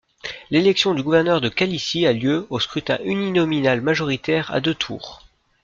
L'élection du gouverneur de Khalissie a lieu au scrutin uninominal majoritaire à deux tours.